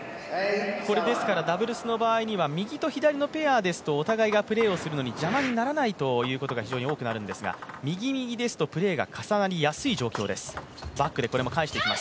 これダブルスの場合には、右と左のペアですとお互いが、プレーをするのに邪魔にならないというのが多くなるんですが右、右ですと、プレーが非常に重なりやすい状態です。